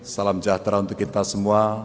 salam sejahtera untuk kita semua